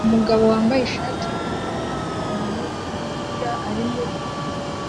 Umugabo wambaye ishati yubururu nipantaro yumupira arimo gukubita